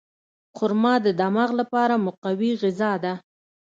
خرما د دماغ لپاره مقوي غذا ده.